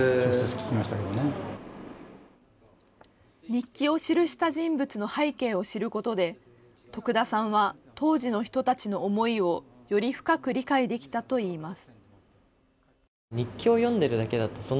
日記を記した人物の背景を知ることで徳田さんは当時の人たちの思いをより深く理解できたといいます。